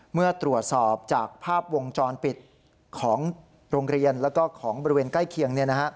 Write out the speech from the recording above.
เมื่อตรวจสอบจากภาพวงจรปิดของโรงเรียนแล้วก็ของบริเวณใกล้เคียง